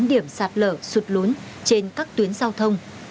sáu mươi chín điểm sạt lở sụt lún trên các tuyến giao thông